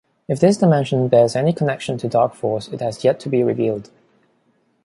If this dimension bears any connection to Darkforce, it has yet to be revealed.